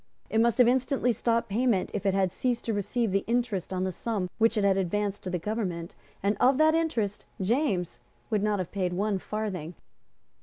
It must have instantly stopped payment if it had ceased to receive the interest on the sum which it had advanced to the government; and of that interest James would not have paid one farthing.